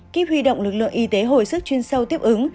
kíp huy động lực lượng y tế hồi sức chuyên sâu tiếp ứng